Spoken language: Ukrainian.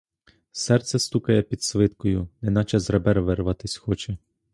Серце стукає під свиткою, неначе з ребер вирватись хоче.